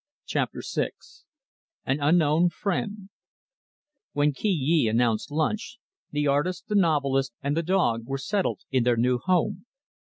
Chapter VI An Unknown Friend When Yee Kee announced lunch, the artist, the novelist, and the dog were settled in their new home.